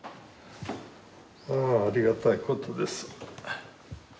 ああありがたいことです。